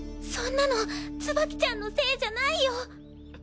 そんなのツバキちゃんのせいじゃないよ。